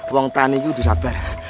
uang tani itu udah sabar